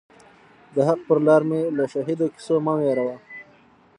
د حق پر لار می له شهیدو کیسو مه وېروه